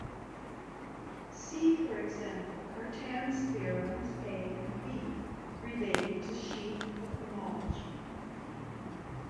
See for example Cartan's theorems A and B, relating to sheaf cohomology.